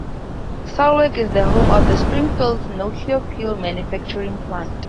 Salwick is the home of the Springfields nuclear fuel manufacturing plant.